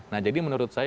nah jadi menurut saya